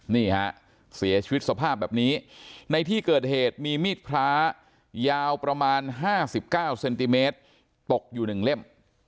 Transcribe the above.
นี่ฮะเสียชีวิตสภาพแบบนี้ในที่เกิดเหตุมีมีดพระยาวประมาณ๕๙เซนติเมตรตกอยู่๑เล่ม